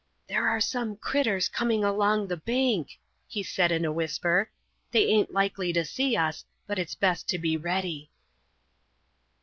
"There's some critters coming along the bank," he said in a whisper. "They aint likely to see us, but it's best to be ready."